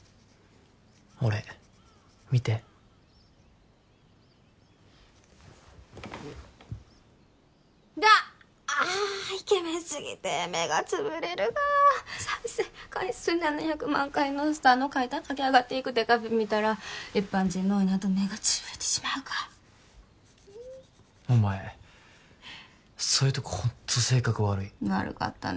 俺見てだっあーイケメンすぎて目がつぶれるがー再生回数７００万回のスターの階段駆け上がっていくデカフェ見たら一般人のおいなど目がつぶれてしまうがお前そういうとこホンット性格悪い悪かったね